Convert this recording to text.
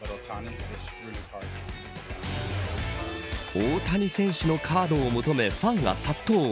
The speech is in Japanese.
大谷選手のカードを求めファンが殺到。